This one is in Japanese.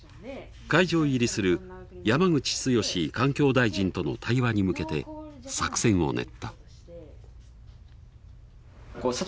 会場入りする山口壯環境大臣との「対話」に向けて作戦を練った。